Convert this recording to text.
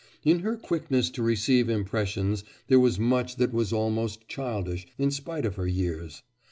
In her quickness to receive impressions there was much that was almost childish, in spite of her years.